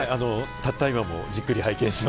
たった今もじっくり拝見しま